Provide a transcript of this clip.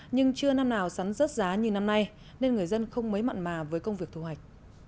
nhưng chưa năm nào sắn rớt giá như năm nay nên người dân không mấy mặn mà với công việc thu hoạch